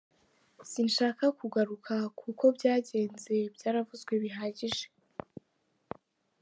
Sinshaka kugaruka ku uko byagenze byaravuzwe bihagije.